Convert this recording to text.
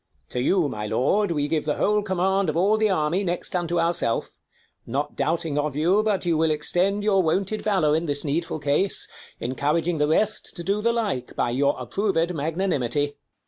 To you, my lord, we give the whole command Of all the army, next unto ourself; 15 Not doubting of you, but you will extend Your wonted valour in this needful case, Encouraging the rest to do the like, By your approved magnanimity.